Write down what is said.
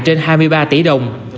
trên hai mươi ba tỷ đồng